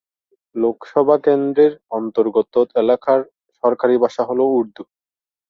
লোকসভা কেন্দ্রের অন্তর্গত এলাকার সরকারি ভাষা হল উর্দু।